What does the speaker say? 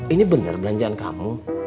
ini bener belanjaan kamu